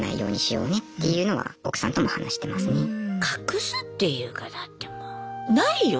隠すっていうかだってもうないよ